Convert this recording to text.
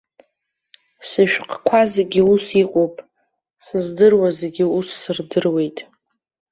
Сышәҟқәа зегьы ус иҟоуп, сыздыруа зегьы ус сырдыруеит.